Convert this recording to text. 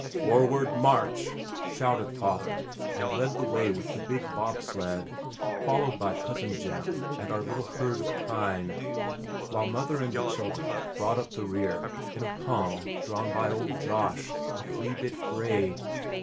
"Forward march!" shouted father and led the way with the big bob sled, followed by cousin Jim and our little herd of kine, while mother and the children brought up the rear in a "pung" drawn by old Josh, a flea bit gray.